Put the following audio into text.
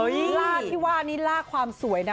ล่าที่ว่านี่ล่าความสวยนะ